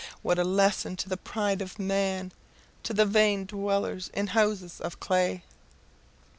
What a lesson to the pride of man to the vain dwellers in houses of clay!